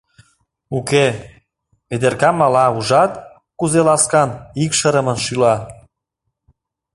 Уке, Ведерка мала, ужат, кузе ласкан, икшырымын шӱла.